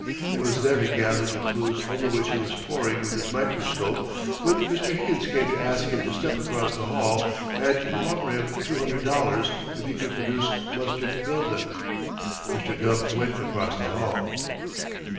It was there he gathered the clues over which he was poring with his microscope when Mr. Higgins came to ask him to step across the hall and to offer him two hundred dollars if he could produce Mustard Bilton. Mr. Gubb went across the hall.